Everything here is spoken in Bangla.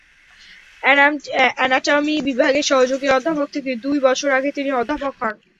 অ্যানাটমি বিভাগের সহযোগী অধ্যাপক থেকে দুই বছর আগে তিনি অধ্যাপক হন।